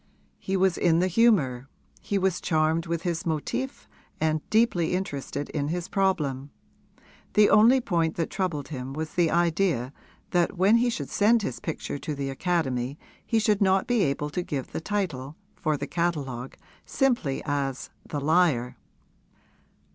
He was in the humour; he was charmed with his motif and deeply interested in his problem. The only point that troubled him was the idea that when he should send his picture to the Academy he should not be able to give the title, for the catalogue, simply as 'The Liar.'